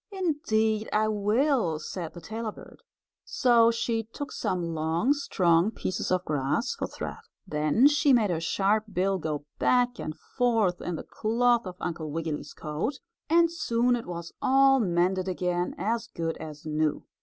"Indeed I will," said the tailor bird. So she took some long, strong pieces of grass for thread. Then she made her sharp bill go back and forth in the cloth of Uncle Wiggily's coat and soon it was all mended again as good as new.